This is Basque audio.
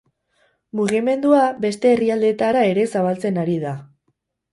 Mugimendua beste herrialdeetara ere zabaltzen ari da.